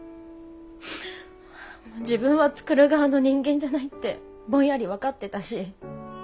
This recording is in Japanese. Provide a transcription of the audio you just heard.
自分は作る側の人間じゃないってぼんやり分かってたし。